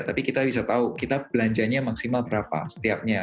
tapi kita bisa tahu kita belanjanya maksimal berapa setiapnya